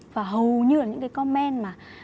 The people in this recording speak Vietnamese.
và hầu như là những cái comment mà